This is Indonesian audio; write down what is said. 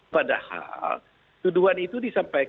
padahal tuduhan itu disampaikan